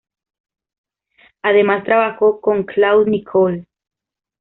Además, trabajó con Claude Nicole.